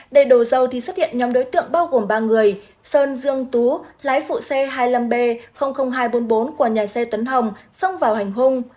để đổ dầu thì xuất hiện nhóm đối tượng bao gồm ba người sơn dương tú lái phụ xe hai mươi năm b hai trăm bốn mươi bốn của nhà xe tuấn hồng xông vào hành hung